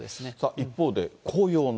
一方で、紅葉の。